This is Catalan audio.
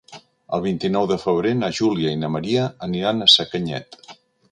El vint-i-nou de febrer na Júlia i na Maria aniran a Sacanyet.